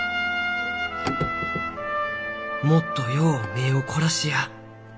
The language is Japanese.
もっとよう目を凝らしや。